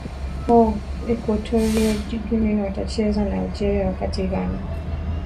ho equatorio guinea watacheza na algeria wakati ghana